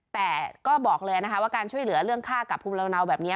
แต่ก็บอกเลยนะคะว่าการช่วยเหลือเรื่องค่ากับภูมิลำเนาแบบนี้